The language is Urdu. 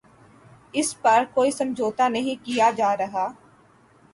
اس پر کوئی سمجھوتہ نہیں کیا جارہا